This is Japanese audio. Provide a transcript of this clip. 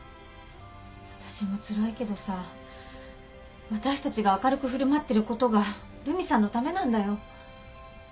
私もつらいけどさ私たちが明るく振る舞ってることが留美さんのためなんだよ。